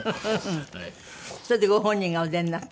それでご本人がお出になって？